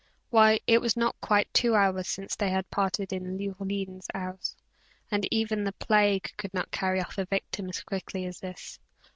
Why, it was not quite two hours since they had parted in Leoline's house, and even the plague could not carry off a victim as quickly as this.